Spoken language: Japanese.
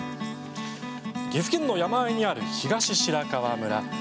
岐阜県の山あいにある東白川村。